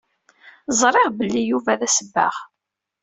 Ẓriɣ belli Yuba d asebbaɣ.